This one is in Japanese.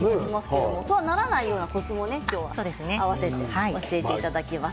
そうならないコツも今日は合わせて教えていただきます。